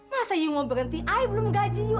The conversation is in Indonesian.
masa yuk mau berhenti ayah belum gaji yuk